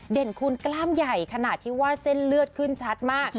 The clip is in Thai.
คุณกล้ามใหญ่ขนาดที่ว่าเส้นเลือดขึ้นชัดมาก